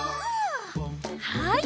はい。